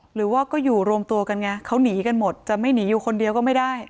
หรือว่าก็อยู่รวมตัวกันไงเขาหนีกันหมดจะไม่หนีอยู่คนเดียวก็ไม่ได้